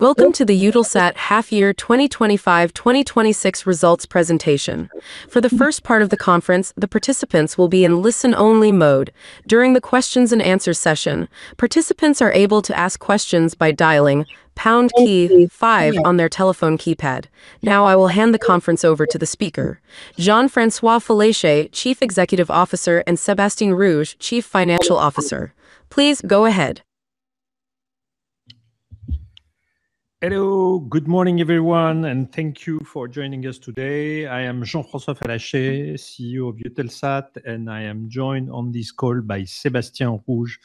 Welcome to the Eutelsat Half Year 2025, 2026 Results Presentation. For the first part of the conference, the participants will be in listen-only mode. During the questions and answer session, participants are able to ask questions by dialing pound key five on their telephone keypad. Now, I will hand the conference over to the speaker, Jean-François Fallacher, Chief Executive Officer, and Sébastien Rouge, Chief Financial Officer. Please go ahead. Hello. Good morning, everyone, and thank you for joining us today. I am Jean-François Fallacher, CEO of Eutelsat, and I am joined on this call by Sébastien Rouge,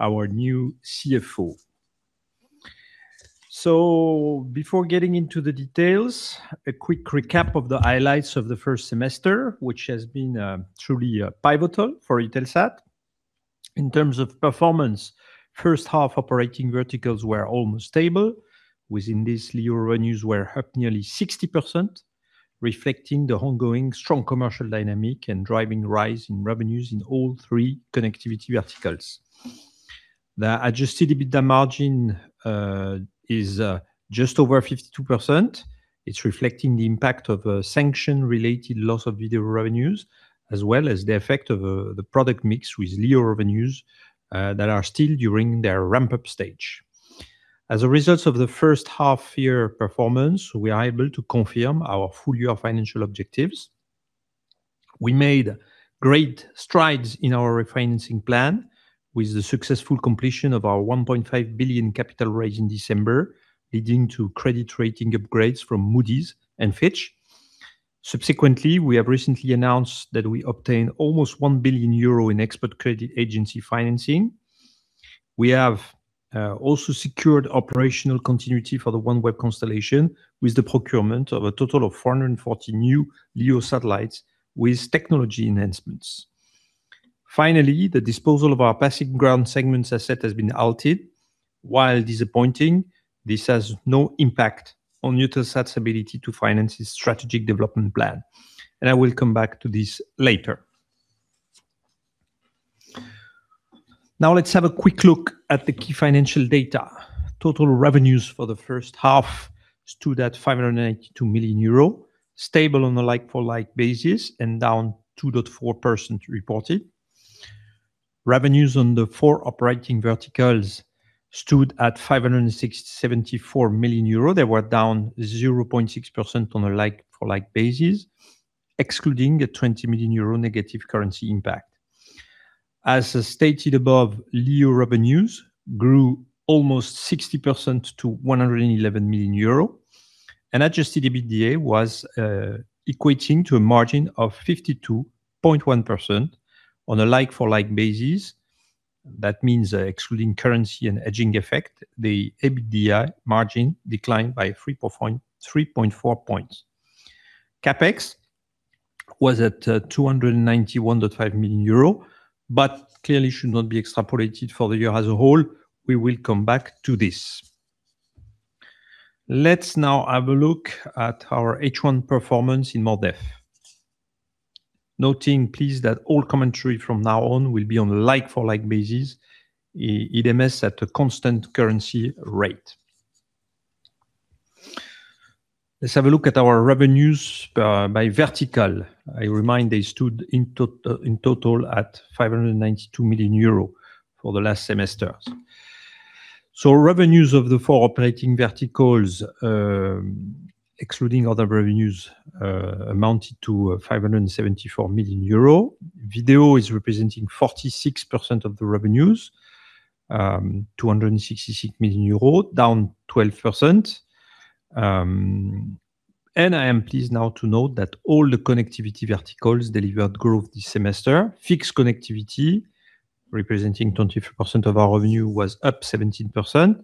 our new CFO. So before getting into the details, a quick recap of the highlights of the first semester, which has been truly pivotal for Eutelsat. In terms of performance, first half operating verticals were almost stable. Within this, LEO revenues were up nearly 60%, reflecting the ongoing strong commercial dynamic and driving rise in revenues in all three connectivity verticals. The adjusted EBITDA margin is just over 52%. It's reflecting the impact of a sanction-related loss of Video revenues, as well as the effect of the product mix with LEO revenues that are still during their ramp-up stage. As a result of the first half year performance, we are able to confirm our full year financial objectives. We made great strides in our refinancing plan with the successful completion of our 1.5 billion capital raise in December, leading to credit rating upgrades from Moody's and Fitch. Subsequently, we have recently announced that we obtained almost 1 billion euro in export credit agency financing. We have also secured operational continuity for the OneWeb constellation with the procurement of a total of 440 new LEO satellites with technology enhancements. Finally, the disposal of our passive ground segment asset has been halted. While disappointing, this has no impact on Eutelsat's ability to finance its strategic development plan, and I will come back to this later. Now let's have a quick look at the key financial data. Total revenues for the first half stood at 592 million euro, stable on a like-for-like basis and down 2.4% reported. Revenues on the four operating verticals stood at 574 million euros. They were down 0.6% on a like-for-like basis, excluding a 20 million euro negative currency impact. As stated above, LEO revenues grew almost 60% to 111 million euro, and adjusted EBITDA was equating to a margin of 52.1% on a like-for-like basis. That means, excluding currency and hedging effect, the EBITDA margin declined by three point four points. CapEx was at 291.5 million euro, but clearly should not be extrapolated for the year as a whole. We will come back to this. Let's now have a look at our H1 performance in more depth. Noting, please, that all commentary from now on will be on a like-for-like basis, i.e., it is at a constant currency rate. Let's have a look at our revenues by vertical. I remind they stood in total, in total at 592 million euros for the last semester. So revenues of the four operating verticals, excluding other revenues, amounted to 574 million euro. Video is representing 46% of the revenues, 266 million euro, down 12%. And I am pleased now to note that all the connectivity verticals delivered growth this semester. Fixed Connectivity, representing 23% of our revenue, was up 17%.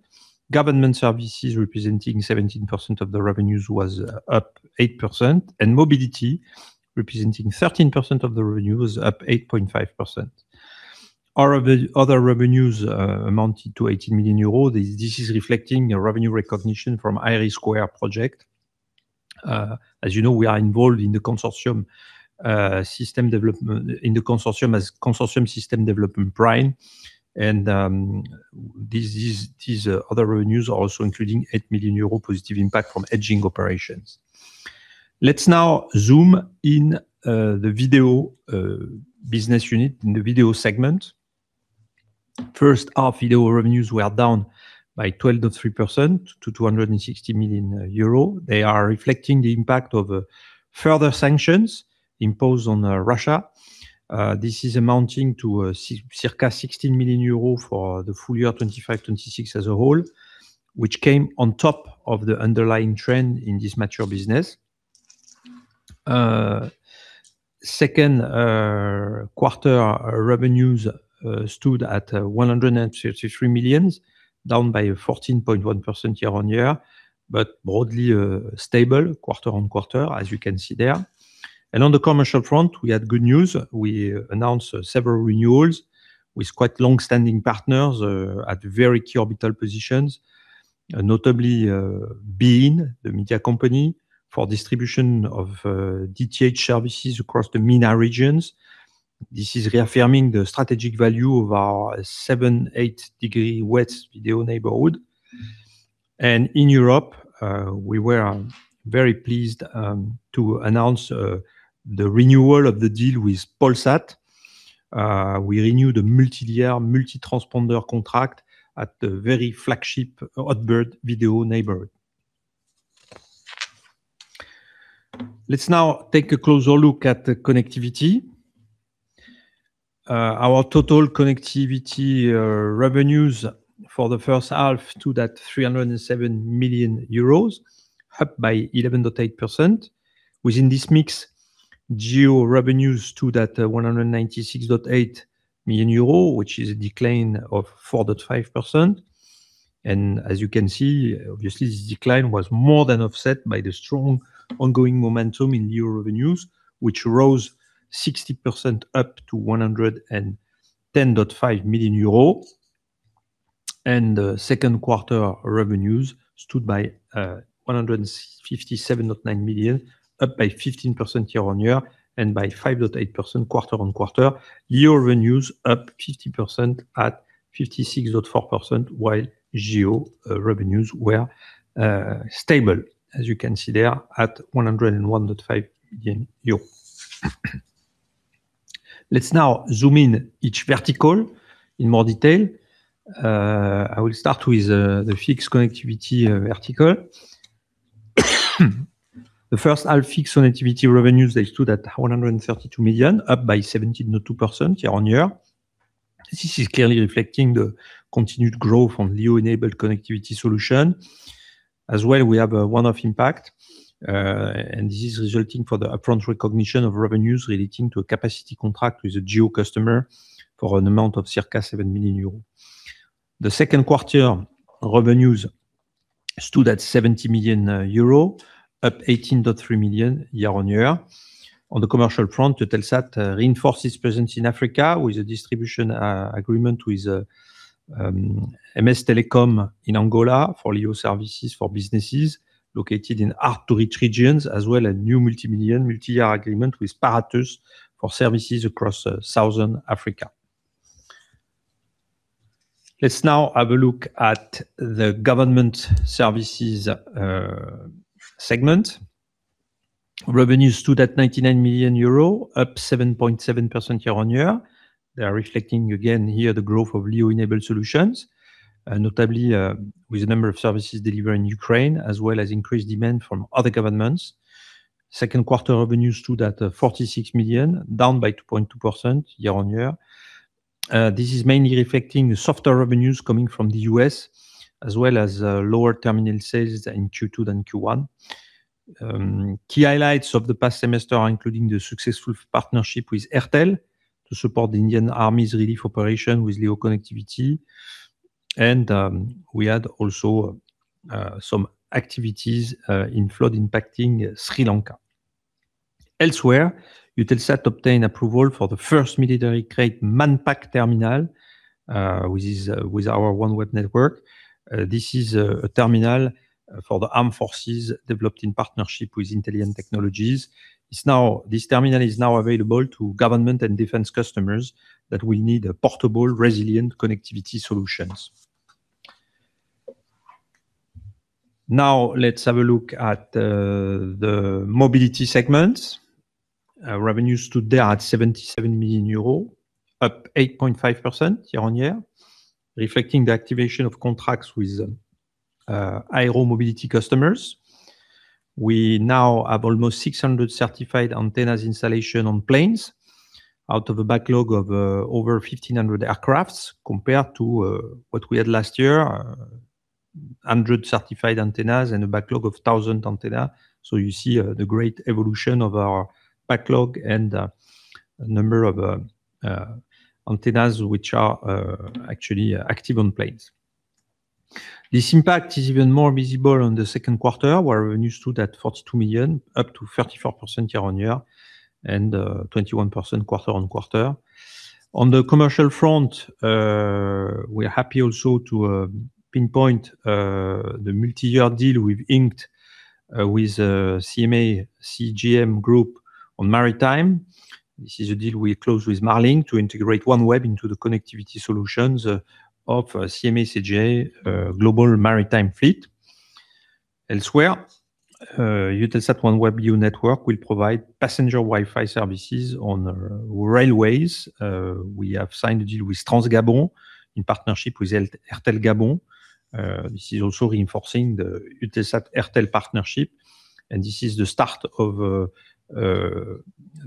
Government Services, representing 17% of the revenues, was up 8%, and mobility, representing 13% of the revenue, was up 8.5%. Our other revenues amounted to 18 million euros. This is reflecting a revenue recognition from IRIS² project. As you know, we are involved in the consortium, system development in the consortium as consortium system development prime, and these other revenues are also including 8 million euro positive impact from hedging operations. Let's now zoom in the Video business unit in the Video segment. First, our Video revenues were down by 12.3% to 260 million euro. They are reflecting the impact of further sanctions imposed on Russia. This is amounting to circa 16 million euros for the full year 2025, 2026 as a whole, which came on top of the underlying trend in this mature business. Second quarter revenues stood at 133 million, down by 14.1% year-on-year, but broadly stable quarter-on-quarter, as you can see there. And on the commercial front, we had good news. We announced several renewals with quite long-standing partners at very key orbital positions, notably beIN, the media company, for distribution of DTH services across the MENA regions. This is reaffirming the strategic value of our 7.8-degree west Video neighborhood. And in Europe, we were very pleased to announce the renewal of the deal with Polsat. We renewed a multi-year, multi-transponder contract at the very flagship HOTBIRD Video neighborhood. Let's now take a closer look at the connectivity. Our total connectivity revenues for the first half stood at 307 million euros, up by 11.8%. Within this mix, GEO revenues stood at 196.8 million euro, which is a decline of 4.5%. And as you can see, obviously, this decline was more than offset by the strong ongoing momentum in new revenues, which rose 60% up to 110.5 million euro. And second quarter revenues stood by 157.9 million, up by 15% year-on-year, and by 5.8% quarter-on-quarter. LEO revenues up 50% at 56.4 million, while GEO revenues were stable, as you can see there, at 101.5 million euros. Let's now zoom in each vertical in more detail. I will start with the Fixed Connectivity vertical. The first half Fixed Connectivity revenues, they stood at 132 million, up by 17.2% year-on-year. This is clearly reflecting the continued growth from the new enabled connectivity solution. As well, we have a one-off impact, and this is resulting for the upfront recognition of revenues relating to a capacity contract with a GEO customer for an amount of circa 7 million euros. The second quarter revenues stood at 70 million euro, up 18.3 million year-on-year. On the commercial front, Eutelsat reinforced its presence in Africa with a distribution agreement with MSTelcom in Angola for LEO services for businesses located in hard-to-reach regions, as well as a new multi-million, multi-year agreement with Paratus for services across Southern Africa. Let's now have a look at the Government Services segment. Revenues stood at 99 million euro, up 7.7% year-on-year. They are reflecting again here the growth of LEO-enabled solutions, notably, with a number of services delivered in Ukraine, as well as increased demand from other governments. Second quarter revenues stood at 46 million, down by 2.2% year-on-year. This is mainly reflecting the softer revenues coming from the U.S., as well as lower terminal sales in Q2 than Q1. Key highlights of the past semester are including the successful partnership with Airtel to support the Indian Army's relief operation with LEO connectivity. We had also some activities in flood impacting Sri Lanka. Elsewhere, Eutelsat obtained approval for the first military-grade Manpack terminal, which is with our OneWeb network. This is a terminal for the armed forces developed in partnership with Intelligent Technologies. It's now. This terminal is now available to government and defense customers that will need a portable, resilient connectivity solutions. Now, let's have a look at the mobility segment. Revenues today are at 77 million euro, up 8.5% year on year, reflecting the activation of contracts with aero mobility customers. We now have almost 600 certified antennas installation on planes out of a backlog of over 1,500 aircrafts compared to what we had last year, 100 certified antennas and a backlog of 1,000 antenna. So you see the great evolution of our backlog and number of antennas, which are actually active on planes. This impact is even more visible on the second quarter, where revenues stood at 42 million, up 34% year-on-year and 21% quarter-on-quarter. On the commercial front, we are happy also to pinpoint the multi-year deal we've inked with CMA CGM Group on maritime. This is a deal we closed with Marlink to integrate OneWeb into the connectivity solutions of CMA CGM global maritime fleet. Elsewhere, Eutelsat OneWeb LEO network will provide passenger Wi-Fi services on railways. We have signed a deal with Transgabonais in partnership with Airtel Gabon. This is also reinforcing the Eutelsat-Airtel partnership, and this is the start of a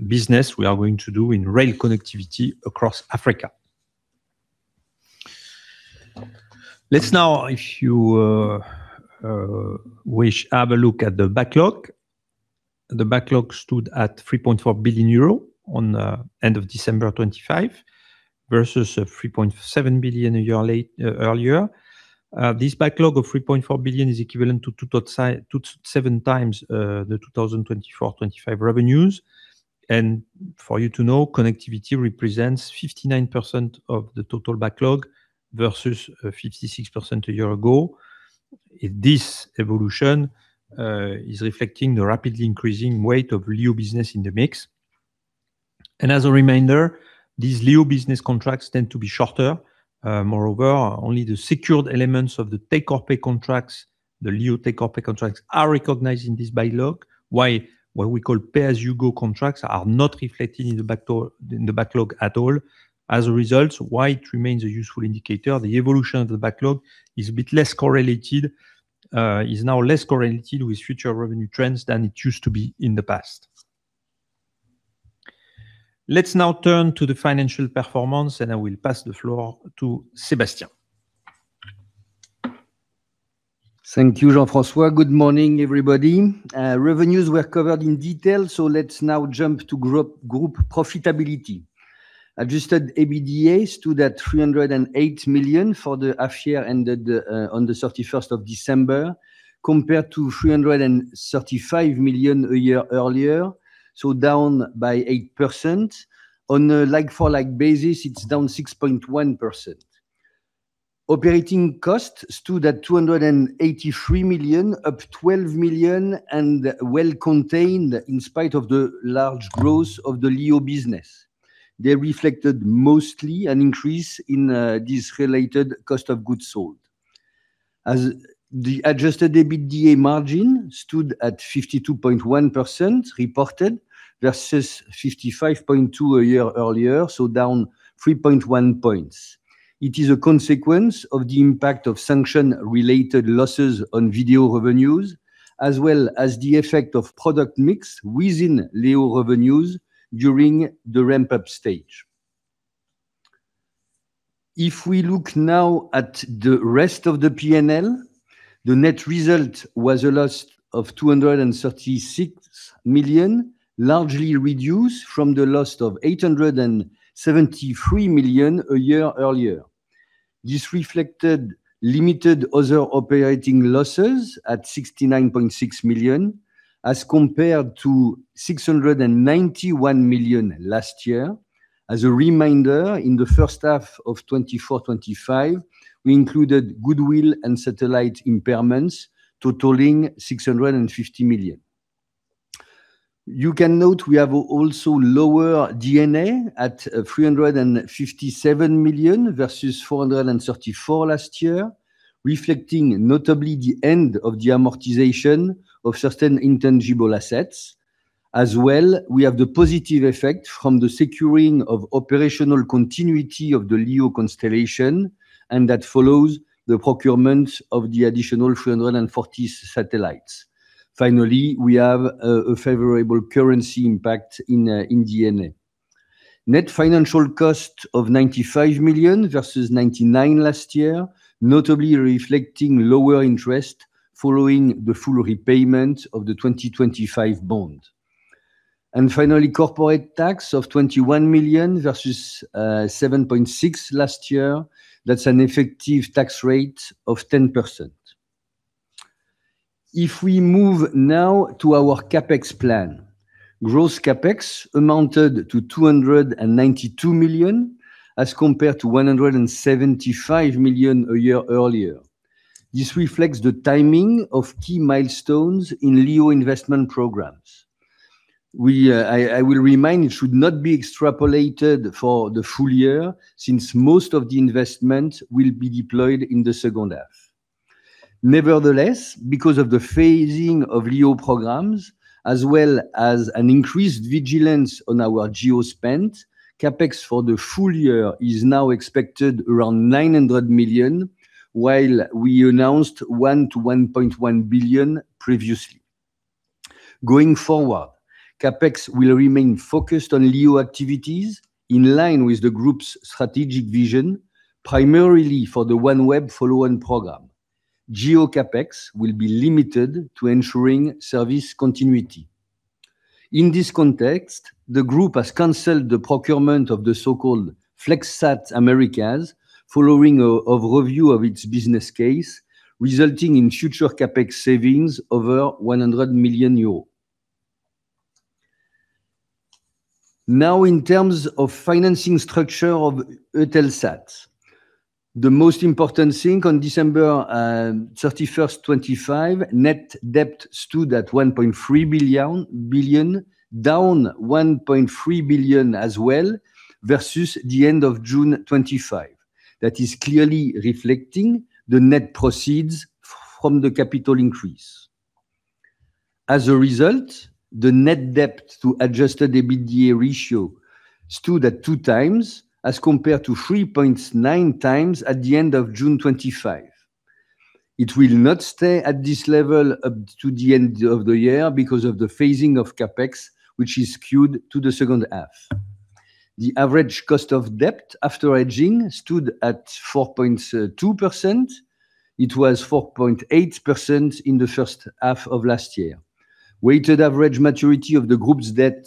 business we are going to do in rail connectivity across Africa. Let's now, if you wish, have a look at the backlog. The backlog stood at 3.4 billion euro at the end of December 2025 versus 3.7 billion a year earlier. This backlog of 3.4 billion is equivalent to 2.6-2.7x the 2024-2025 revenues. And for you to know, connectivity represents 59% of the total backlog versus 56% a year ago. If this evolution is reflecting the rapidly increasing weight of LEO business in the mix. And as a reminder, these LEO business contracts tend to be shorter. Moreover, only the secured elements of the take-or-pay contracts, the LEO take-or-pay contracts, are recognized in this backlog, while what we call pay-as-you-go contracts are not reflected in the Backlog at all. As a result, while it remains a useful indicator, the evolution of the Backlog is a bit less correlated, is now less correlated with future revenue trends than it used to be in the past. Let's now turn to the financial performance, and I will pass the floor to Sébastien. Thank you, Jean-François. Good morning, everybody. Revenues were covered in detail, so let's now jump to group profitability. Adjusted EBITDA stood at 308 million for the half year ended on the thirty-first of December, compared to 335 million a year earlier, so down by 8%. On a like-for-like basis, it's down 6.1%. Operating costs stood at 283 million, up 12 million, and well contained in spite of the large growth of the LEO business. They reflected mostly an increase in this related cost of goods sold. As the Adjusted EBITDA margin stood at 52.1% reported versus 55.2% a year earlier, so down 3.1 points. It is a consequence of the impact of sanction-related losses on Video revenues, as well as the effect of product mix within LEO revenues during the ramp-up stage. If we look now at the rest of the P&L, the net result was a loss of 236 million, largely reduced from the loss of 873 million a year earlier. This reflected limited other operating losses at 69.6 million, as compared to 691 million last year. As a reminder, in the first half of 2024-25, we included goodwill and satellite impairments totaling 650 million. You can note we have also lower D&A at 357 million versus 434 last year, reflecting notably the end of the amortization of certain intangible assets. As well, we have the positive effect from the securing of operational continuity of the LEO constellation, and that follows the procurement of the additional 340 satellites. Finally, we have a favorable currency impact in D&A. Net financial cost of 95 million versus 99 million last year, notably reflecting lower interest following the full repayment of the 2025 bond. And finally, corporate tax of 21 million versus 7.6 million last year. That's an effective tax rate of 10%. If we move now to our CapEx plan, gross CapEx amounted to 292 million, as compared to 175 million a year earlier. This reflects the timing of key milestones in LEO investment programs. I will remind, it should not be extrapolated for the full year, since most of the investment will be deployed in the second half. Nevertheless, because of the phasing of LEO programs, as well as an increased vigilance on our GEO spend, CapEx for the full year is now expected around 900 million, while we announced 1 billion-1.1 billion previously. Going forward, CapEx will remain focused on LEO activities, in line with the group's strategic vision, primarily for the OneWeb follow-on program. GEO CapEx will be limited to ensuring service continuity. In this context, the group has canceled the procurement of the so-called FlexSat Americas, following a review of its business case, resulting in future CapEx savings over 100 million euros. Now, in terms of financing structure of Eutelsat, the most important thing, on December 31, 2025, net debt stood at 1.3 billion, down 1.3 billion as well versus the end of June 2025. That is clearly reflecting the net proceeds from the capital increase. As a result, the net debt to Adjusted EBITDA ratio stood at 2x, as compared to 3.9x at the end of June 2025. It will not stay at this level up to the end of the year because of the phasing of CapEx, which is skewed to the second half. The average cost of debt after hedging stood at 4.2%. It was 4.8% in the first half of last year. Weighted average maturity of the group's debt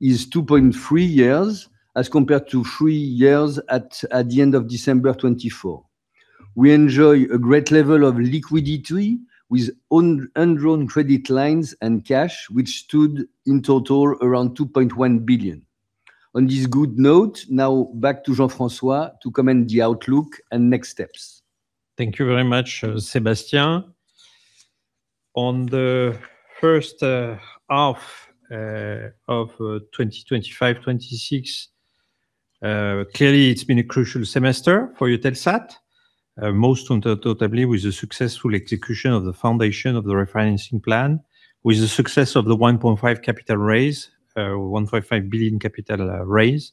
is 2.3 years, as compared to three years at the end of December 2024. We enjoy a great level of liquidity with undrawn credit lines and cash, which stood in total around 2.1 billion. On this good note, now back to Jean-François to comment the outlook and next steps. Thank you very much, Sébastien. On the first half of 2025-2026, clearly it's been a crucial semester for Eutelsat. With the successful execution of the foundation of the refinancing plan, with the success of the 1.5 billion capital raise, 1.5 billion capital raise.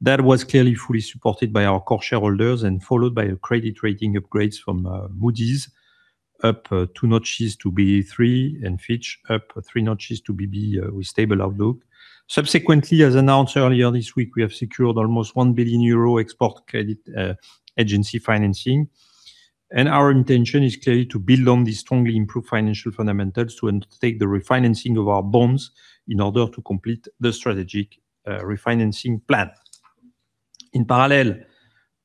That was clearly fully supported by our core shareholders and followed by credit rating upgrades from Moody's, up two notches to Ba3, and Fitch, up three notches to BB, with stable outlook. Subsequently, as announced earlier this week, we have secured almost 1 billion euro export credit agency financing, and our intention is clearly to build on these strongly improved financial fundamentals to undertake the refinancing of our bonds in order to complete the strategic refinancing plan. In parallel,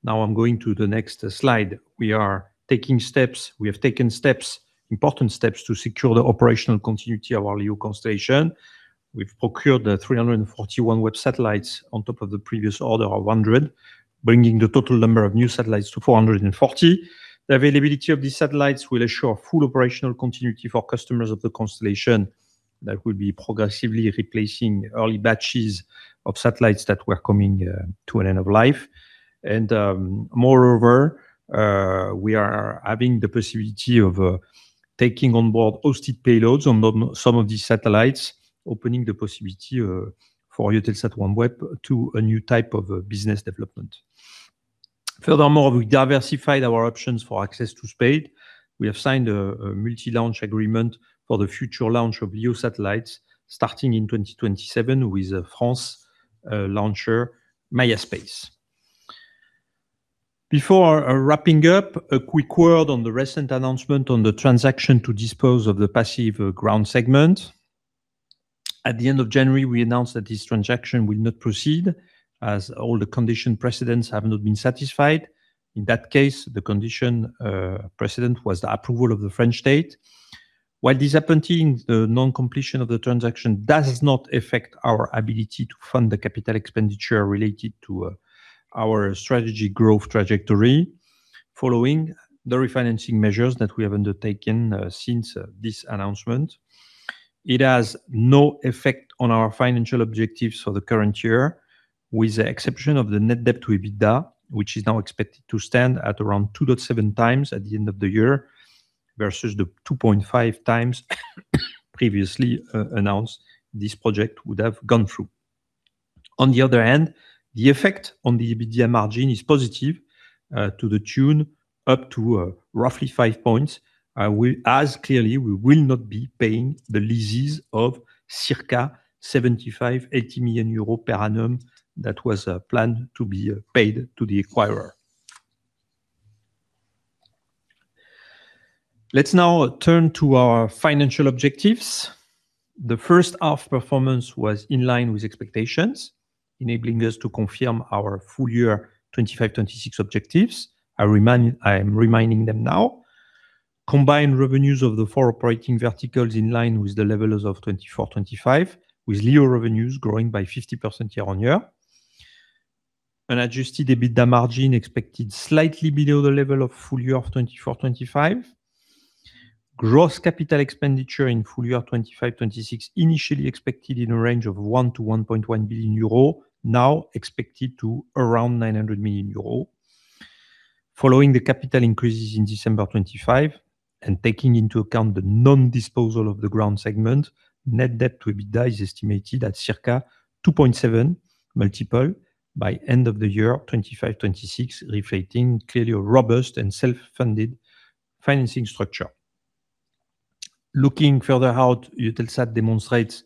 now I'm going to the next slide. We are taking steps— We have taken steps, important steps, to secure the operational continuity of our LEO constellation. We've procured the 341 OneWeb satellites on top of the previous order of 100, bringing the total number of new satellites to 440. The availability of these satellites will ensure full operational continuity for customers of the constellation. That will be progressively replacing early batches of satellites that were coming to an end of life. And, moreover, we are having the possibility of taking on board hosted payloads on some of these satellites, opening the possibility for Eutelsat OneWeb to a new type of business development. Furthermore, we diversified our options for access to space. We have signed a multi-launch agreement for the future launch of LEO satellites, starting in 2027 with a French launcher, MaiaSpace. Before wrapping up, a quick word on the recent announcement on the transaction to dispose of the passive ground segment. At the end of January, we announced that this transaction will not proceed, as all the condition precedents have not been satisfied. In that case, the condition precedent was the approval of the French state. While this happening, the non-completion of the transaction does not affect our ability to fund the capital expenditure related to our strategy growth trajectory. Following the refinancing measures that we have undertaken since this announcement, it has no effect on our financial objectives for the current year, with the exception of the net debt to EBITDA, which is now expected to stand at around 2.7x at the end of the year, versus the 2.5x previously announced this project would have gone through. On the other hand, the effect on the EBITDA margin is positive to the tune up to roughly 5 points. As clearly, we will not be paying the leases of circa 75 million-80 million euros per annum that was planned to be paid to the acquirer. Let's now turn to our financial objectives. The first half performance was in line with expectations, enabling us to confirm our full year 2025-2026 objectives. I am reminding them now. Combined revenues of the four operating verticals in line with the levels of 2025, with LEO revenues growing by 50% year-on-year. An Adjusted EBITDA margin expected slightly below the level of full year of 2025. Gross capital expenditure in full year 2026, initially expected in a range of 1 billion-1.1 billion euro, now expected to around 900 million euro. Following the capital increases in December 2025, and taking into account the non-disposal of the ground segment, net debt to EBITDA is estimated at circa 2.7x multiple by end of the year, 2026, reflecting clearly a robust and self-funded financing structure. Looking further out, Eutelsat demonstrates,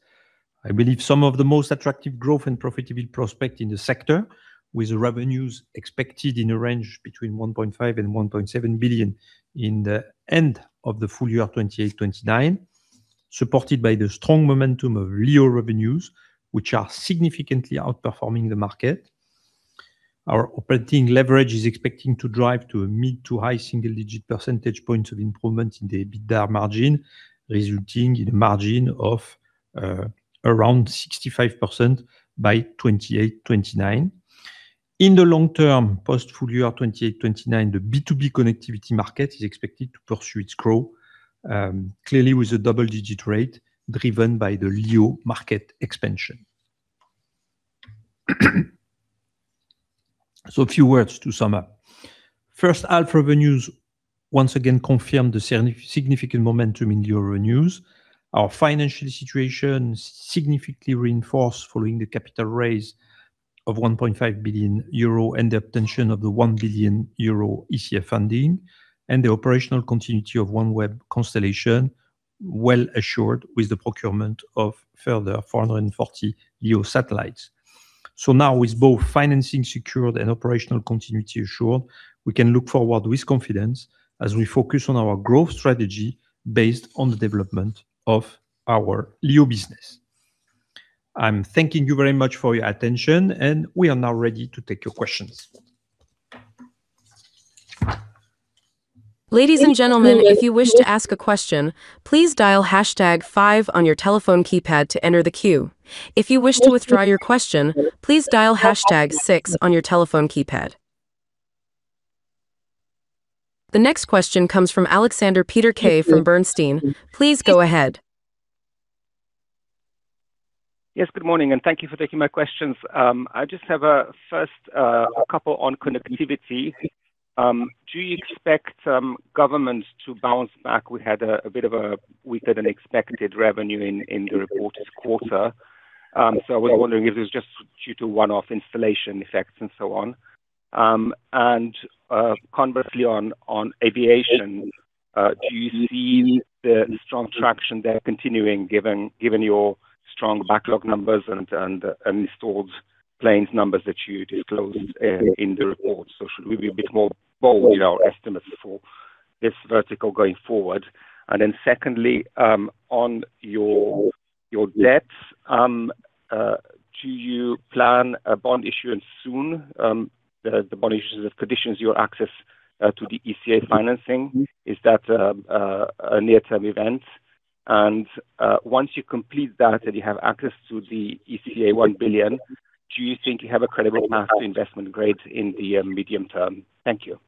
I believe, some of the most attractive growth and profitability prospect in the sector, with revenues expected in a range between 1.5 billion and 1.7 billion in the end of the full year 2028, 2029, supported by the strong momentum of LEO revenues, which are significantly outperforming the market. Our operating leverage is expecting to drive to a mid to high single-digit percentage points of improvement in the EBITDA margin, resulting in a margin of around 65% by 2028, 2029. In the long term, post full year 2028, 2029, the B2B connectivity market is expected to pursue its growth clearly with a double-digit rate driven by the LEO market expansion. A few words to sum up. First half revenues once again confirmed the significant momentum in LEO revenues. Our financial situation significantly reinforced following the capital raise of 1.5 billion euro and the retention of the 1 billion euro ECF funding, and the operational continuity of OneWeb constellation well assured with the procurement of further 440 LEO satellites. So now, with both financing secured and operational continuity assured, we can look forward with confidence as we focus on our growth strategy based on the development of our LEO business. I'm thanking you very much for your attention, and we are now ready to take your questions. Ladies and gentlemen, if you wish to ask a question, please dial hashtag five on your telephone keypad to enter the queue. If you wish to withdraw your question, please dial hashtag six on your telephone keypad. The next question comes from Aleksander Peterc from Bernstein. Please go ahead. Yes, good morning, and thank you for taking my questions. I just have a couple on connectivity. Do you expect governments to bounce back? We had a bit of a weaker than expected revenue in the reported quarter. So I was wondering if it was just due to one-off installation effects and so on. And conversely, on aviation, do you see the strong traction there continuing, given your strong backlog numbers and installed planes numbers that you disclosed in the report? So should we be a bit more bold in our estimates for this vertical going forward? And then secondly, on your debts, do you plan a bond issuance soon, the bond issuance that conditions your access to the ECA financing? Is that a near-term event? And once you complete that and you have access to the ECA 1 billion, do you think you have a credible path to investment grade in the medium term? Thank you.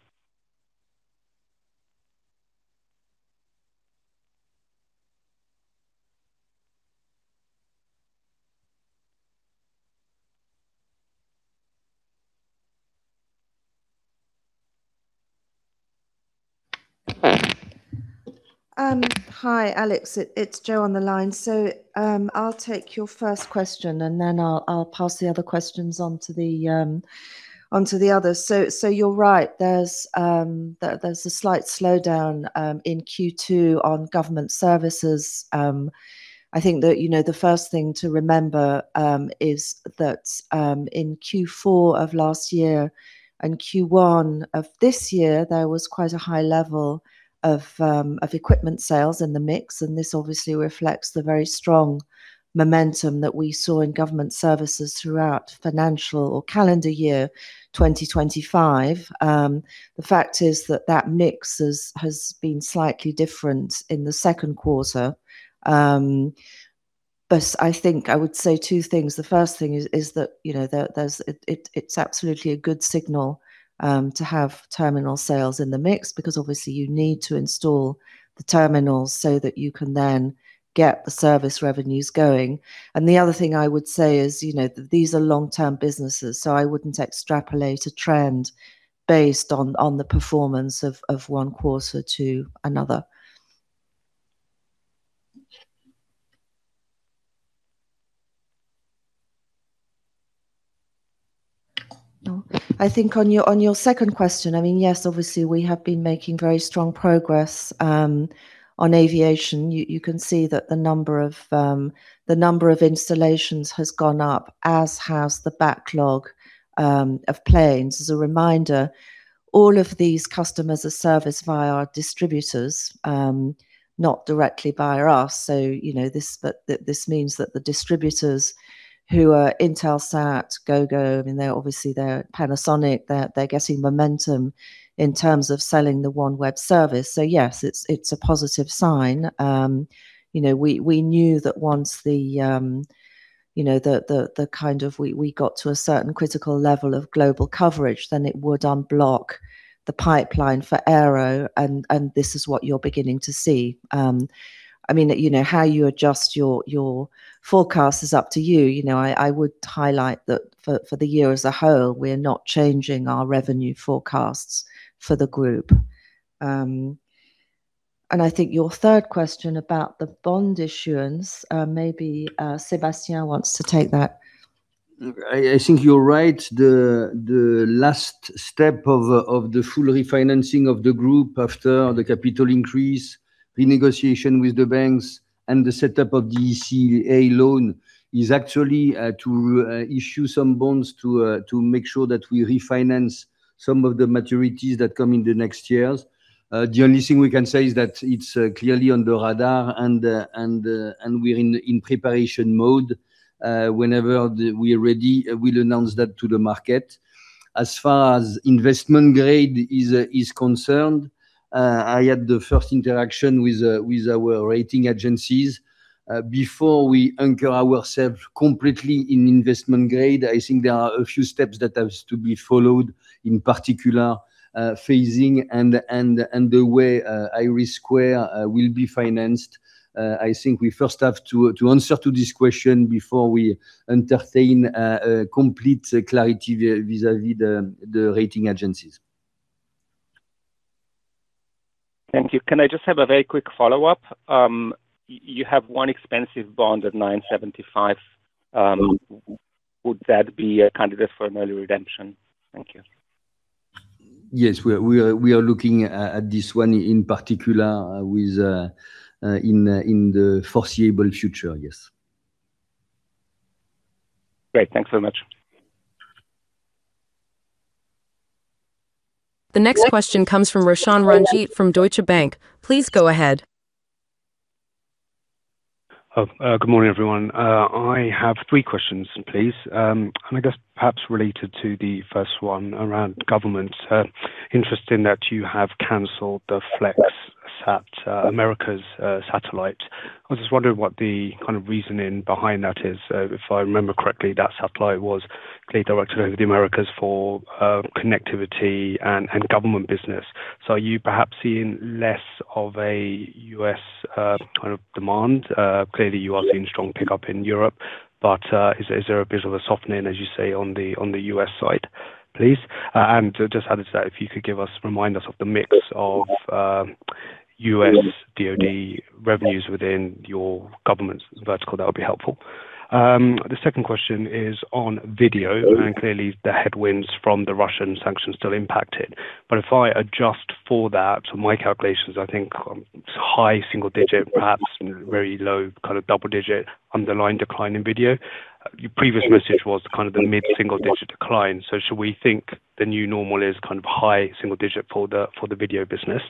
Hi, Alex, it's Jo on the line. So, I'll take your first question, and then I'll pass the other questions on to the others. So, you're right. There's a slight slowdown in Q2 on Government Services. I think that, you know, the first thing to remember is that in Q4 of last year and Q1 of this year, there was quite a high level of equipment sales in the mix, and this obviously reflects the very strong momentum that we saw in Government Services throughout financial or calendar year 2025. The fact is that that mix has been slightly different in the second quarter. But I think I would say two things. The first thing is that, you know, there's... It's absolutely a good signal to have terminal sales in the mix, because obviously you need to install the terminals so that you can then get the service revenues going. And the other thing I would say is, you know, that these are long-term businesses, so I wouldn't extrapolate a trend based on the performance of one quarter to another. I think on your second question, I mean, yes, obviously, we have been making very strong progress on aviation. You can see that the number of installations has gone up, as has the backlog of planes. As a reminder, all of these customers are serviced via our distributors, not directly by us. So you know this, but this means that the distributors who are Intelsat, Gogo, I mean, they're obviously, they're Panasonic, they're getting momentum in terms of selling the OneWeb service. So yes, it's a positive sign. You know, we knew that once the, you know, we got to a certain critical level of global coverage, then it would unblock the pipeline for Aero, and this is what you're beginning to see. I mean, you know, how you adjust your forecast is up to you. You know, I would highlight that for the year as a whole, we're not changing our revenue forecasts for the group. And I think your third question about the bond issuance, maybe Sébastien wants to take that. I think you're right. The last step of the full refinancing of the group after the capital increase, the negotiation with the banks and the setup of the ECA loan is actually to make sure that we refinance some of the maturities that come in the next years. The only thing we can say is that it's clearly on the radar and we're in preparation mode. Whenever we are ready, we'll announce that to the market. As far as investment grade is concerned, I had the first interaction with our rating agencies. Before we anchor ourselves completely in investment grade, I think there are a few steps that has to be followed, in particular, phasing and the way IRIS² will be financed. I think we first have to answer to this question before we entertain a complete clarity vis-à-vis the rating agencies. Thank you. Can I just have a very quick follow-up? You have one expensive bond at 9.75. Would that be a candidate for an early redemption? Thank you. Yes, we are looking at this one in particular in the foreseeable future. Yes. Great. Thanks so much. The next question comes from Roshan Ranjit from Deutsche Bank. Please go ahead. Good morning, everyone. I have three questions, please. And I guess perhaps related to the first one around government. Interesting that you have canceled the FlexSat Americas satellite. I was just wondering what the kind of reasoning behind that is. If I remember correctly, that satellite was clearly directed over the Americas for connectivity and government business. So are you perhaps seeing less of a U.S. kind of demand? Clearly you are seeing strong pickup in Europe, but is there a bit of a softening, as you say, on the U.S. side, please? And just added to that, if you could give us, remind us of the mix of U.S. DoD revenues within your government's vertical, that would be helpful. The second question is on Video, and clearly the headwinds from the Russian sanctions still impact it. But if I adjust for that, my calculations, I think, high single digit, perhaps very low, kind of double digit underlying decline in Video. Your previous message was kind of the mid single digit decline. So should we think the new normal is kind of high single digit for the, for the Video business?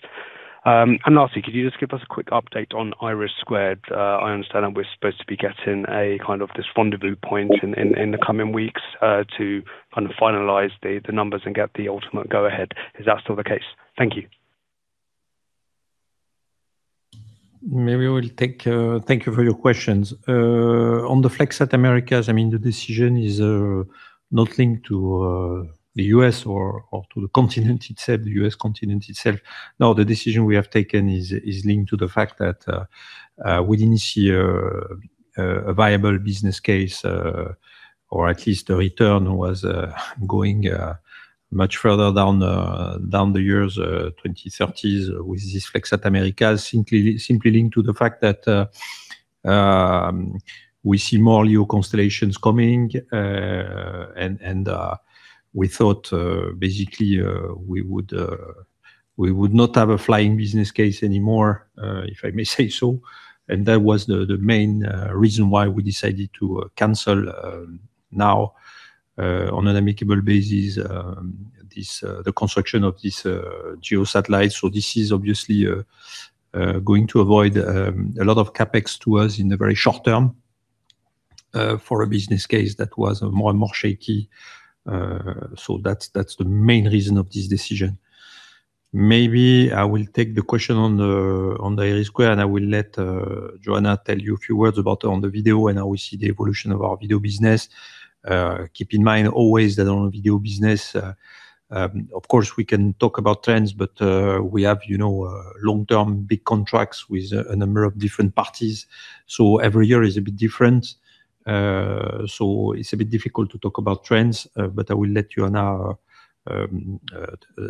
And lastly, could you just give us a quick update on IRIS²? I understand that we're supposed to be getting a kind of this rendezvous point in the coming weeks, to kind of finalize the numbers and get the ultimate go-ahead. Is that still the case? Thank you. Maybe we'll take... Thank you for your questions. On the FlexSat Americas, I mean, the decision is not linked to the U.S. or to the continent itself, the U.S. continent itself. No, the decision we have taken is linked to the fact that we didn't see a viable business case, or at least the return was going much further down the years, 20, 30s with this FlexSat Americas. Simply linked to the fact that we see more LEO constellations coming, and we thought basically we would not have a flying business case anymore, if I may say so. That was the main reason why we decided to cancel now on an amicable basis the construction of this GEO satellite. This is obviously going to avoid a lot of CapEx to us in the very short term for a business case that was more and more shaky. That's the main reason of this decision. Maybe I will take the question on the IRIS², and I will let Joanna tell you a few words about the Video and how we see the evolution of our Video business. Keep in mind, always, that on Video business, of course, we can talk about trends, but we have, you know, long-term big contracts with a number of different parties, so every year is a bit different. So it's a bit difficult to talk about trends, but I will let Joanna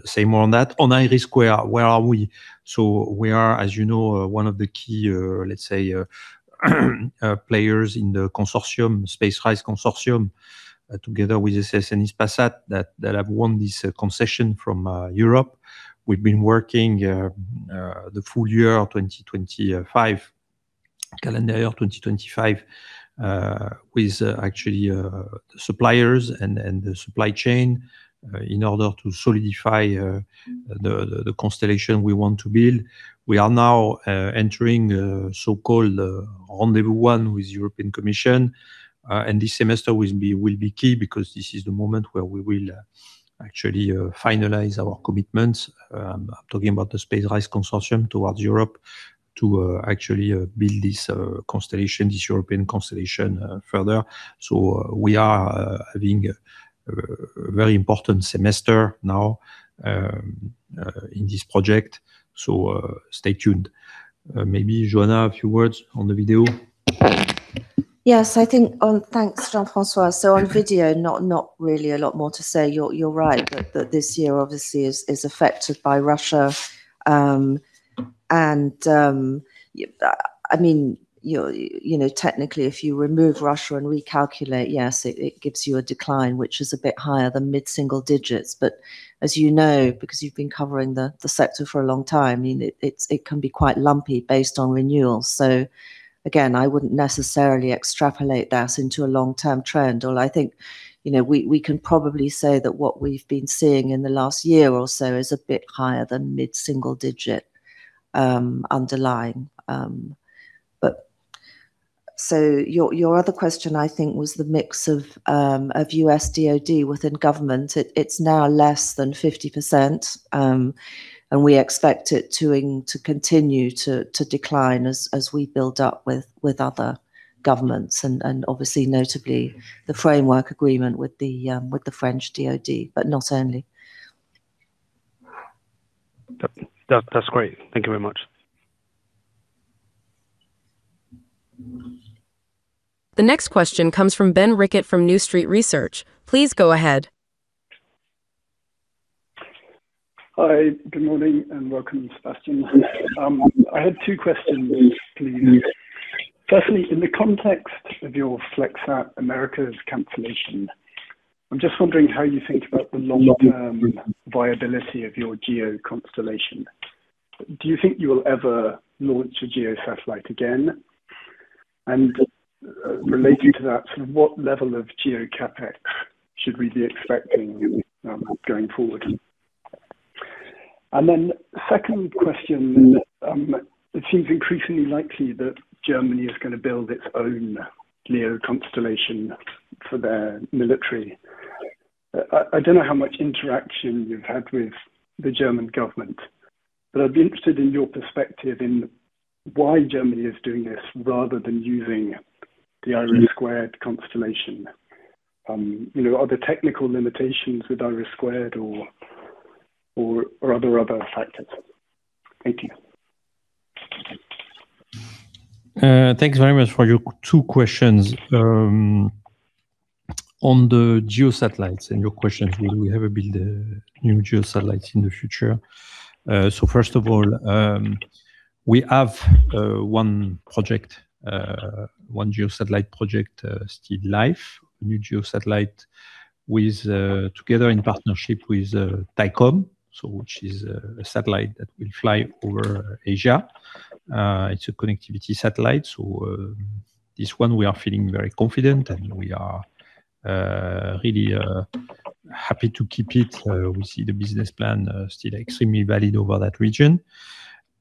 say more on that. On IRIS², where are we? So we are, as you know, one of the key, let's say, players in the consortium, SpaceRISE consortium, together with the SES and Hispasat, that have won this concession from Europe. We've been working the full year of 2025, calendar year of 2025, with actually suppliers and the supply chain in order to solidify the constellation we want to build. We are now entering a so-called rendezvous one with European Commission, and this semester will be key because this is the moment where we will actually finalize our commitments. I'm talking about the SpaceRISE consortium towards Europe to actually build this constellation, this European constellation further. So we are having a very important semester now in this project. So stay tuned. Maybe, Joanna, a few words on the Video? Yes, I think... thanks, Jean-François. So on Video, not really a lot more to say. You're right, that this year obviously is affected by Russia. And I mean, you know, technically, if you remove Russia and recalculate, yes, it gives you a decline, which is a bit higher than mid-single digits. But as you know, because you've been covering the sector for a long time, I mean, it can be quite lumpy based on renewals. So again, I wouldn't necessarily extrapolate that into a long-term trend. Although I think, you know, we can probably say that what we've been seeing in the last year or so is a bit higher than mid-single digit underlying. But... So your other question, I think, was the mix of U.S. DoD within government. It's now less than 50%, and we expect it to continue to decline as we build up with other governments and obviously, notably, the framework agreement with the French DoD, but not only. That's great. Thank you very much. The next question comes from Ben Rickett, from New Street Research. Please go ahead. Hi, good morning and welcome, Sébastien. I had two questions, please. Firstly, in the context of your FlexSat Americas cancellation, I'm just wondering how you think about the long-term viability of your geo constellation. Do you think you will ever launch a geo satellite again? And, relating to that, what level of geo CapEx should we be expecting, going forward? Second question, it seems increasingly likely that Germany is going to build its own LEO constellation for their military. I don't know how much interaction you've had with the German government, but I'd be interested in your perspective in why Germany is doing this rather than using the IRIS² constellation. You know, are there technical limitations with IRIS² or are there other factors? Thank you. Thanks very much for your two questions. On the GEO satellites and your question, will we ever build new GEO satellites in the future? So first of all, we have one project, one GEO satellite project still live. New GEO satellite with together in partnership with Thaicom, so which is a satellite that will fly over Asia. It's a connectivity satellite. So, this one we are feeling very confident, and we are really happy to keep it. We see the business plan still extremely valid over that region.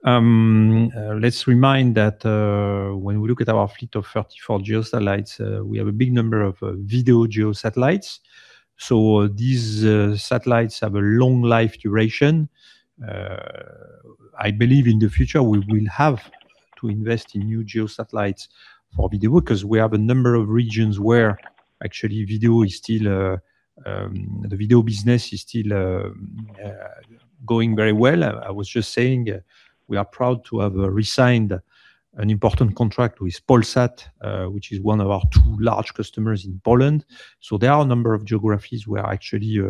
Let's remind that when we look at our fleet of 34 GEO satellites, we have a big number of Video GEO satellites. So these satellites have a long life duration. I believe in the future, we will have to invest in new GEO satellites for Video, 'cause we have a number of regions where actually Video is still the Video business is still going very well. I was just saying, we are proud to have resigned an important contract with Polsat, which is one of our two large customers in Poland. So there are a number of geographies where actually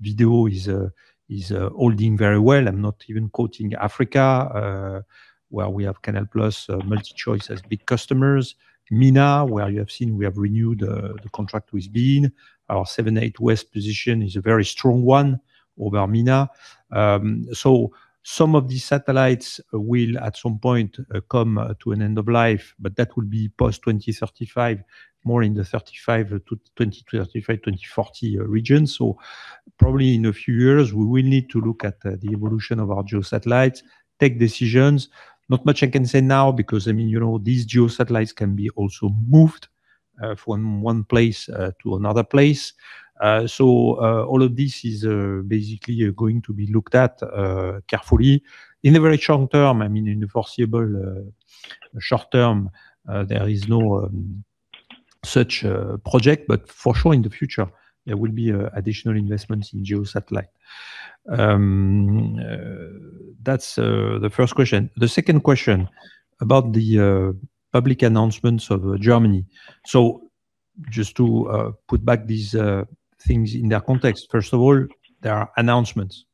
Video is holding very well. I'm not even quoting Africa, where we have Canal+, MultiChoice as big customers. MENA, where you have seen we have renewed the contract with beIN. Our 78 West position is a very strong one over MENA. So some of these satellites will, at some point, come to an end of life, but that will be post-2035, more in the 2035-2040 region. So probably in a few years, we will need to look at the evolution of our geo satellites, take decisions. Not much I can say now, because, I mean, you know, these geo satellites can be also moved from one place to another place. So all of this is basically going to be looked at carefully. In the very short term, I mean, in the foreseeable short term, there is no such project, but for sure in the future, there will be additional investments in geo satellite. That's the first question. The second question about the public announcements of Germany. So just to put back these things in their context, first of all, they are announcements.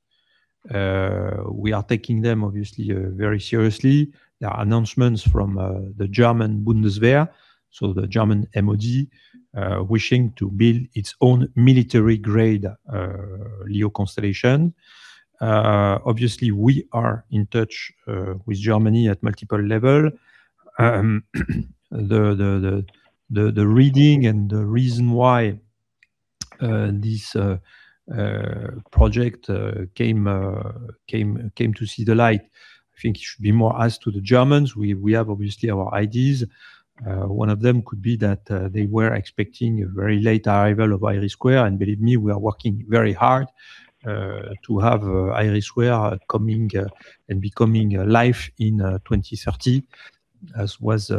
We are taking them obviously very seriously. They are announcements from the German Bundeswehr, so the German MoD, wishing to build its own military-grade LEO constellation. Obviously, we are in touch with Germany at multiple level. The reading and the reason why this project came to see the light, I think it should be more asked to the Germans. We have obviously our ideas. One of them could be that they were expecting a very late arrival of IRIS², and believe me, we are working very hard to have IRIS² coming and becoming live in 2030, as was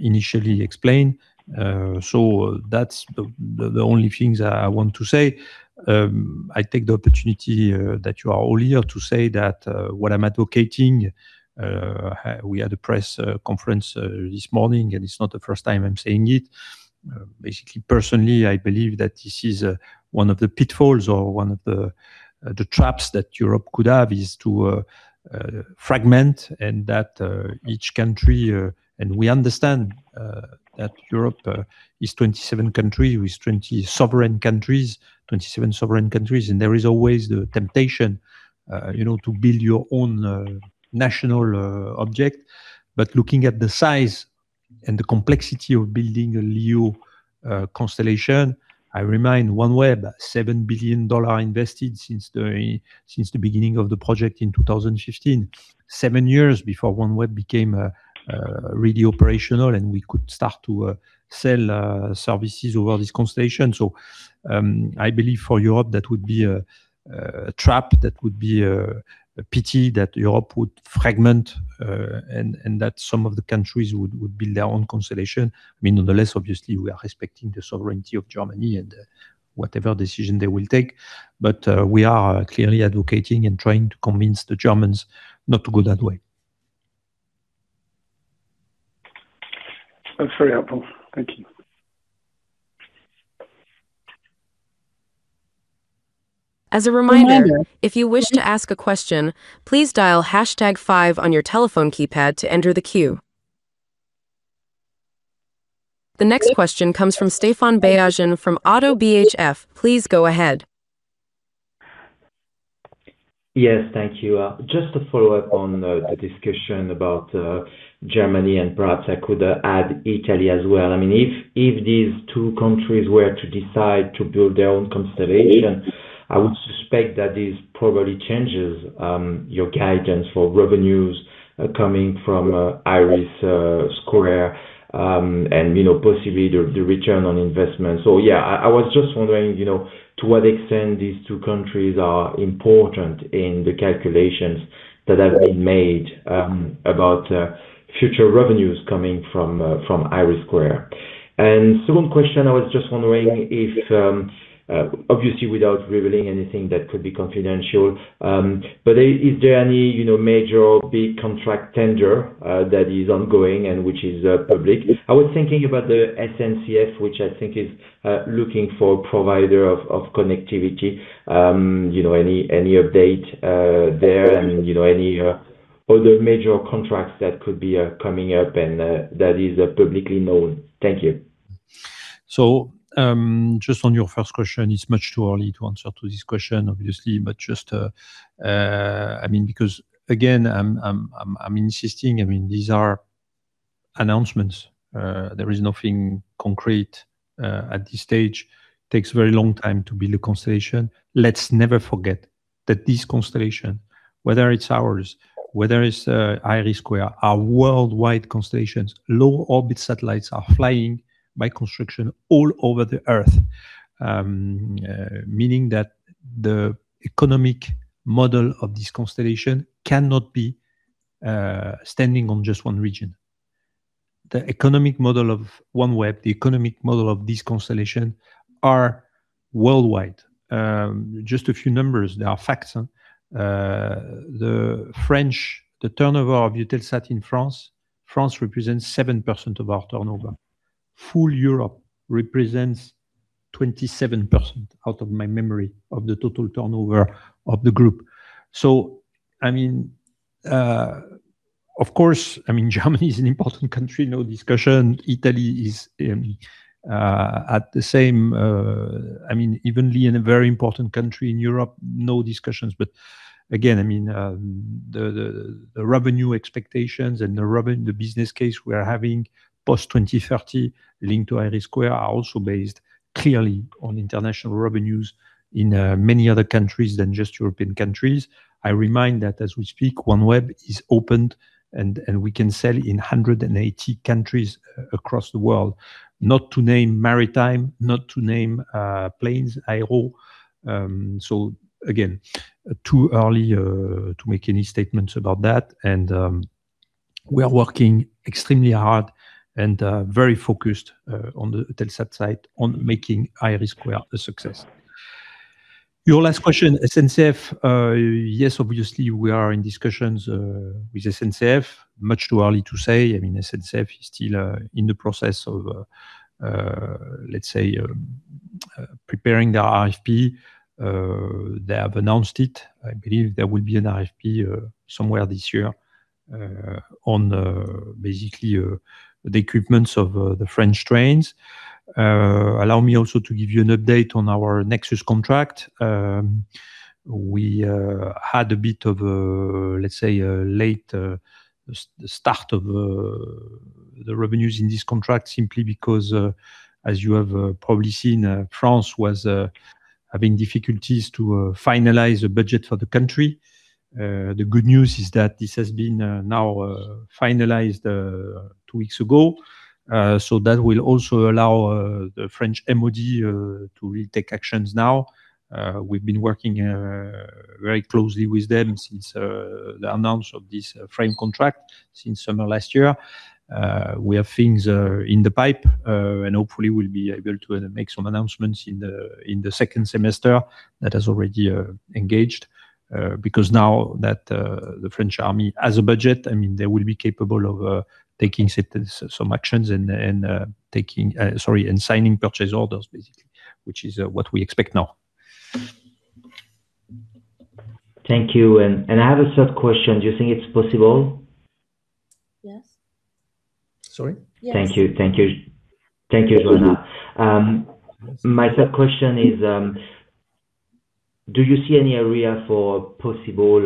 initially explained. So that's the only things I want to say. I take the opportunity that you are all here to say that what I'm advocating, we had a press conference this morning, and it's not the first time I'm saying it. Basically, personally, I believe that this is one of the pitfalls or one of the traps that Europe could have, is to fragment and that each country... And we understand that Europe is 27 countries, with 20 sovereign countries, 27 sovereign countries, and there is always the temptation, you know, to build your own national object. But looking at the size and the complexity of building a LEO constellation, I remind OneWeb, $7 billion invested since the beginning of the project in 2015, seven years before OneWeb became really operational and we could start to sell services over this constellation. So, I believe for Europe, that would be a trap, that would be a pity that Europe would fragment, and that some of the countries would build their own constellation. I mean, nonetheless, obviously, we are respecting the sovereignty of Germany and whatever decision they will take, but we are clearly advocating and trying to convince the Germans not to go that way. That's very helpful. Thank you. As a reminder, if you wish to ask a question, please dial hashtag five on your telephone keypad to enter the queue. The next question comes from Stéphane Beyazian from ODDO BHF. Please go ahead. Yes, thank you. Just to follow up on the discussion about Germany, and perhaps I could add Italy as well. I mean, if these two countries were to decide to build their own constellation, I would suspect that this probably changes your guidance for revenues coming from Iris Square, and you know, possibly the return on investment. So yeah, I was just wondering, you know, to what extent these two countries are important in the calculations that have been made about future revenues coming from Iris Square. And second question, I was just wondering if, obviously without revealing anything that could be confidential, but is there any, you know, major or big contract tender that is ongoing and which is public? I was thinking about the SNCF, which I think is looking for provider of connectivity. You know, any update there, and, you know, any other major contracts that could be coming up and that is publicly known? Thank you. So, just on your first question, it's much too early to answer to this question, obviously, but just... I mean, because again, I'm insisting, I mean, these are announcements. There is nothing concrete at this stage. Takes a very long time to build a constellation. Let's never forget that this constellation, whether it's ours, whether it's IRIS², are worldwide constellations. Low orbit satellites are flying by construction all over the Earth. Meaning that the economic model of this constellation cannot be standing on just one region. The economic model of OneWeb, the economic model of this constellation are worldwide. Just a few numbers. They are facts, huh? The French, the turnover of Eutelsat in France, France represents 7% of our turnover. Full Europe represents 27%, out of my memory, of the total turnover of the group. So, I mean, of course, I mean, Germany is an important country, no discussion. Italy is, at the same, I mean, evenly in a very important country in Europe, no discussions. But again, I mean, the revenue expectations and the business case we are having post 2030 linked to IRIS² are also based clearly on international revenues in many other countries than just European countries. I remind that as we speak, OneWeb is opened and we can sell in 180 countries across the world, not to mention maritime, not to mention planes, aero. So again, too early to make any statements about that. We are working extremely hard and very focused on the Eutelsat side on making IRIS² a success. Your last question, SNCF, yes, obviously, we are in discussions with SNCF. Much too early to say. I mean, SNCF is still in the process of, let's say, preparing their RFP. They have announced it. I believe there will be an RFP somewhere this year on basically the equipments of the French trains. Allow me also to give you an update on our Nexus contract. We had a bit of a, let's say, a late start of the revenues in this contract, simply because, as you have probably seen, France was having difficulties to finalize a budget for the country. The good news is that this has been now finalized two weeks ago. So that will also allow the French MOD to really take actions now. We've been working very closely with them since the announcement of this frame contract since summer last year. We have things in the pipe, and hopefully we'll be able to make some announcements in the second semester that has already engaged. Because now that the French army has a budget, I mean, they will be capable of taking certain some actions and, and taking… Sorry, and signing purchase orders, basically, which is what we expect now. Thank you. And I have a sub-question. Do you think it's possible? Yes. Sorry? Yes. Thank you. Thank you. Thank you, Joanna. My sub-question is, do you see any area for possible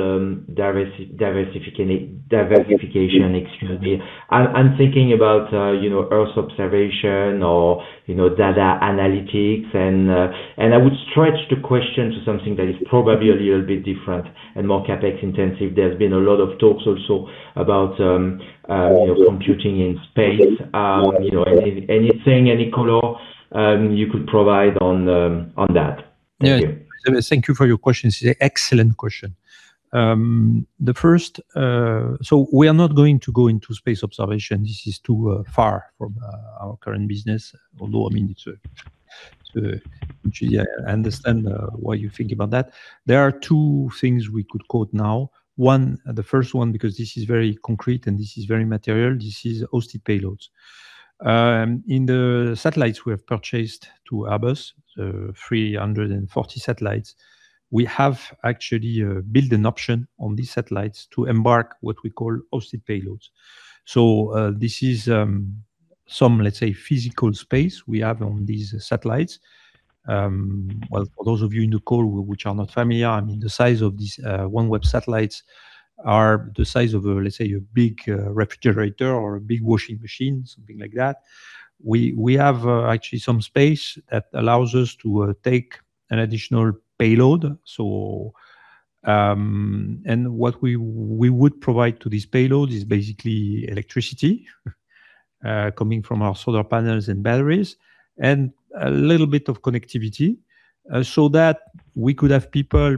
diversification? Excuse me. I'm, I'm thinking about, you know, Earth observation or, you know, data analytics and, and I would stretch the question to something that is probably a little bit different and more CapEx intensive. There have been a lot of talks also about, you know, computing in space. You know, any, anything, any color you could provide on, on that? Yeah. Thank you. Thank you for your question. It's an excellent question. So we are not going to go into space observation. This is too far from our current business, although, I mean, it's to understand why you think about that. There are two things we could quote now. One, the first one, because this is very concrete and this is very material, this is hosted payloads. In the satellites, we have purchased two Airbus, so 340 satellites. We have actually built an option on these satellites to embark what we call hosted payloads. So this is some, let's say, physical space we have on these satellites. Well, for those of you in the call which are not familiar, I mean, the size of these OneWeb satellites are the size of a, let's say, a big refrigerator or a big washing machine, something like that. We, we have actually some space that allows us to take an additional payload. So, and what we, we would provide to this payload is basically electricity coming from our solar panels and batteries, and a little bit of connectivity, so that we could have people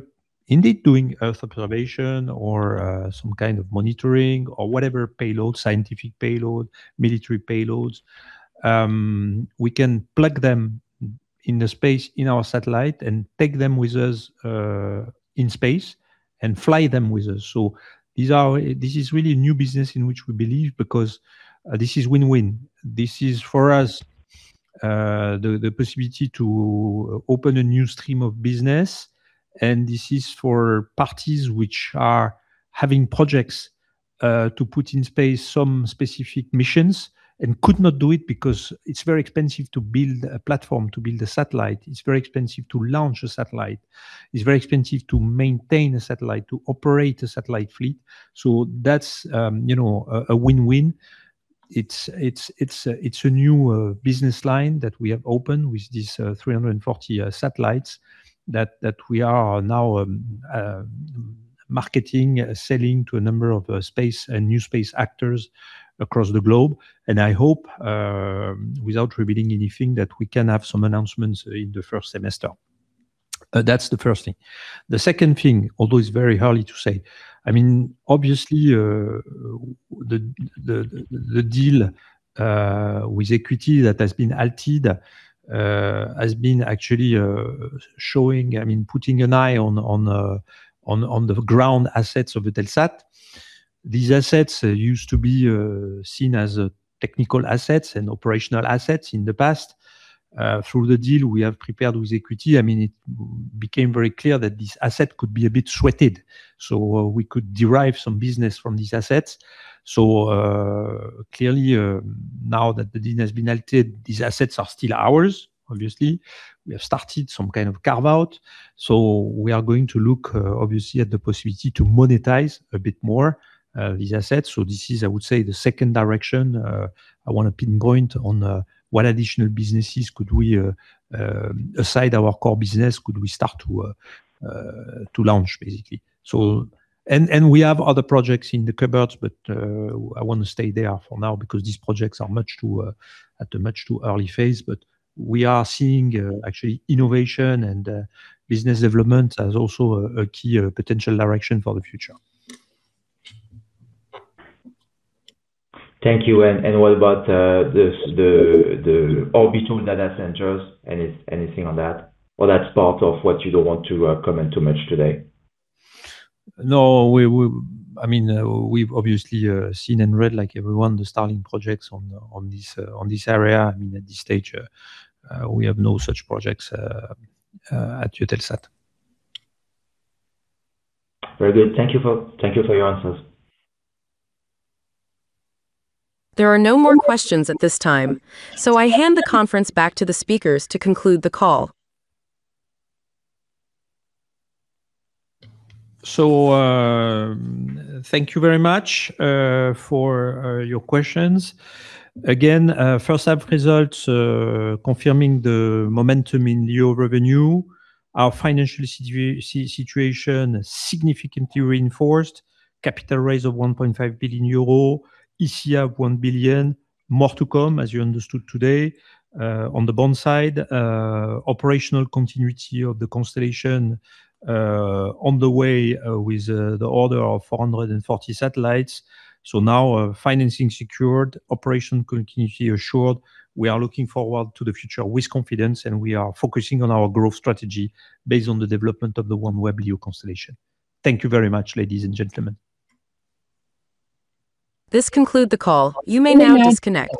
indeed doing Earth observation or some kind of monitoring or whatever payload, scientific payload, military payloads. We can plug them in the space in our satellite and take them with us in space and fly them with us. So this is really a new business in which we believe because this is win-win. This is, for us, the possibility to open a new stream of business, and this is for parties which are having projects to put in space some specific missions and could not do it because it's very expensive to build a platform, to build a satellite. It's very expensive to launch a satellite. It's very expensive to maintain a satellite, to operate a satellite fleet. So that's you know a win-win. It's a new business line that we have opened with these 340 satellites that we are now marketing, selling to a number of space and new space actors across the globe. And I hope, without revealing anything, that we can have some announcements in the first semester. That's the first thing. The second thing, although it's very hard to say, I mean, obviously, the deal with [EQT] that has been altered has been actually showing, I mean, putting an eye on the ground assets of Eutelsat. These assets used to be seen as technical assets and operational assets in the past. Through the deal we have prepared with [EQT], I mean, it became very clear that this asset could be a bit sweated, so we could derive some business from these assets. So, clearly, now that the deal has been altered, these assets are still ours, obviously. We have started some kind of carve-out, so we are going to look, obviously, at the possibility to monetize a bit more, these assets. So this is, I would say, the second direction, I wanna pinpoint on, what additional businesses could we, aside our core business, could we start to, to launch basically. And we have other projects in the cupboards, but I want to stay there for now because these projects are much too, at a much too early phase. But we are seeing, actually, innovation and, business development as also a, a key, potential direction for the future. Thank you. And what about the orbital data centers? Anything on that, or that's part of what you don't want to comment too much today? No, I mean, we've obviously seen and read, like everyone, the Starlink projects on this area. I mean, at this stage, we have no such projects at Eutelsat. Very good. Thank you for, thank you for your answers. There are no more questions at this time, so I hand the conference back to the speakers to conclude the call. Thank you very much for your questions. Again, first half results confirming the momentum in LEO revenue. Our financial situation significantly reinforced. Capital raise of 1.5 billion euro, ECA of 1 billion. More to come, as you understood today. On the bond side, operational continuity of the constellation on the way with the order of 440 satellites. So now, financing secured, operational continuity assured. We are looking forward to the future with confidence, and we are focusing on our growth strategy based on the development of the OneWeb LEO constellation. Thank you very much, ladies and gentlemen. This concludes the call. You may now disconnect.